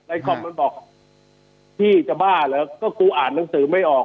คอมมันบอกพี่จะบ้าเหรอก็กูอ่านหนังสือไม่ออก